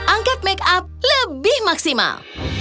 angkat make up lebih maksimal